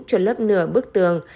chuột lớp nửa bức tường